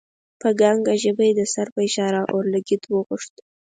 په ګنګه ژبه یې د سر په اشاره اورلګیت وغوښت.